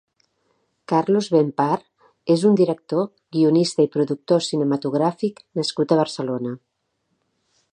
Carlos Benpar és un director, guionista i productor cinematogràfic nascut a Barcelona.